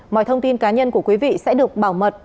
mọi thông tin cá nhân của quý vị sẽ được bảo mật